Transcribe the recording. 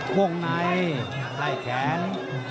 วงในไล่แขน